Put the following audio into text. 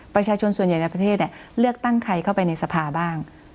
ประชาชนส่วนใหญ่ในประเทศเลือกตั้งใครเข้าไปในสภาบ้าง